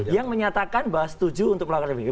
yang menyatakan bahwa setuju untuk melakukan revie